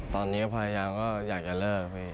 ตอนนี้พยายามก็อยากจะเลิกพี่